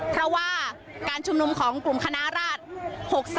เพราะว่าการชุมนุมของกลุ่มคณะราช๖๓